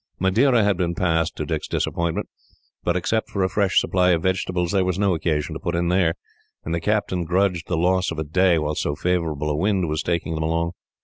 Madeira had been passed, to Dick's disappointment; but, except for a fresh supply of vegetables, there was no occasion to put in there, and the captain grudged the loss of a day, while so favourable a wind was taking them along.